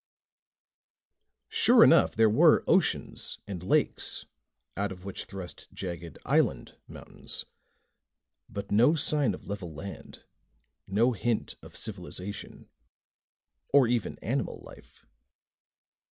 Sure enough, there were oceans and lakes, out of which thrust jagged island mountains. But no sign of level land, no hint of civilization, or even animal life.